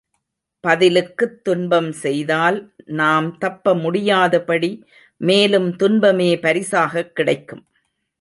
பதிலுக்குத் துன்பம் செய்தால், நாம் தப்ப முடியாதபடி மேலும் துன்பமே பரிசாகக் கிடைக்கும்.